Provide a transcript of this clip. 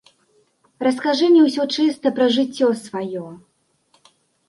Раскажы мне ўсё чыста пра жыццё пра сваё.